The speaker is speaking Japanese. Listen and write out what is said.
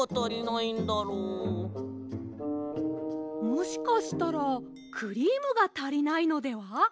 もしかしたらクリームがたりないのでは？